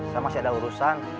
saya masih ada urusan